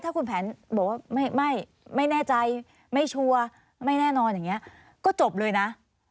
ถ้าคุณแผนบอกว่าไม่ไม่แน่ใจไม่ชัวร์ไม่แน่นอนอย่างนี้ก็จบเลยนะ